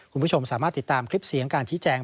คุณผู้ชมสามารถติดตามคลิปเสียงการชี้แจง